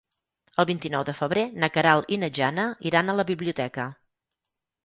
El vint-i-nou de febrer na Queralt i na Jana iran a la biblioteca.